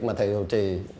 mà thầy chủ trì